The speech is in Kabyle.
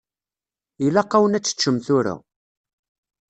Ilaq-awen ad teččem tura.